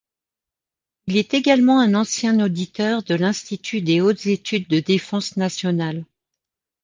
Il est également un ancien auditeur de l'Institut des hautes études de Défense nationale.